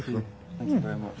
ありがとうございます。